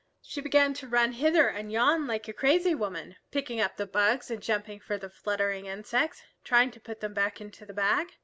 She began to run hither and yon like a crazy woman, picking up the bugs and jumping for the fluttering insects, trying to put them back into the bag.